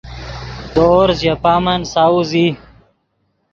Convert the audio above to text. دورز ژے پامن ساؤز ای